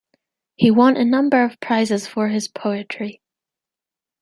He won a number of prizes for his poetry.